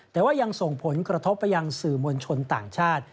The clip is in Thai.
แต่ว่ายังส่งผลกระทบไปยังสื่อมวลชนต่างชาติ